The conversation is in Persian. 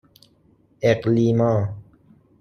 اِقلیما